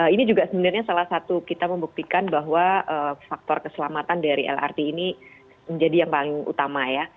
ini juga sebenarnya salah satu kita membuktikan bahwa faktor keselamatan dari lrt ini menjadi yang paling utama ya